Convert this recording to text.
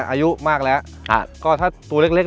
อายุมากแล้วก็ถ้าตัวเล็ก